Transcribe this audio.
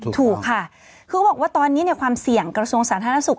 ถูกค่ะคือเขาบอกว่าตอนนี้ความเสี่ยงกระทรวงสาธารณสุข